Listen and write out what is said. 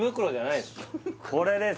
これです